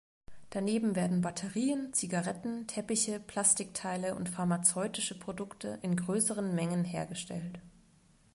Daneben werden Batterien, Zigaretten, Teppiche, Plastikteile und pharmazeutische Produkte in größeren Mengen hergestellt.